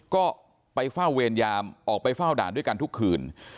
ก็ไปเฝ้าเวรยามออกไปเฝ้าด่านด้วยกันทุกคืน